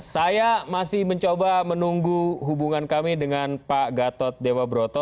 saya masih mencoba menunggu hubungan kami dengan pak gatot dewa broto